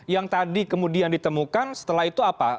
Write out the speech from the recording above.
yang tadi kemudian ditemukan setelah itu apa